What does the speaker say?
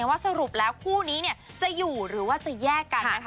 ว่าสรุปแล้วคู่นี้จะอยู่หรือว่าจะแยกกัน